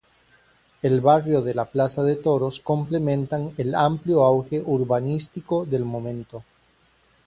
El barrio de la Plaza de Toros complementan el amplio auge urbanístico del momento.